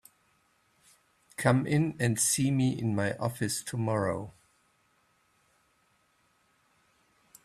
Come in and see me in my office tomorrow.